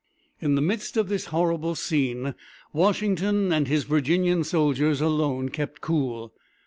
In the midst of this horrible scene, Washington and his Virginian soldiers alone kept cool.